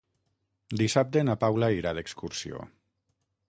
Dissabte na Paula irà d'excursió.